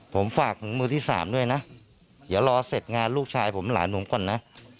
ผมฝากถึงมือที่สามด้วยนะเดี๋ยวรอเสร็จงานลูกชายผมหลานผมก่อนนะ